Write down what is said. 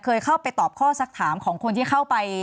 เคยเข้าไปตอบข้อสักถามของคนที่เข้าไป